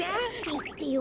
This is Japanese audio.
いってよ。